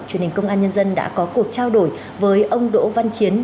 truyền hình công an nhân dân đã có cuộc trao đổi với ông đỗ văn chiến